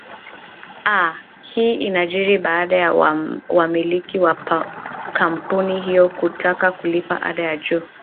a hii inajiri baada ya wamiliki wa kampuni hiyo kukataa kulipa ada ya juu